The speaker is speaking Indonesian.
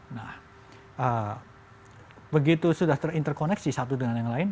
nah begitu sudah terinterkoneksi satu dengan yang lain